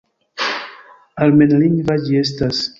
Armenlingva ĝi estas.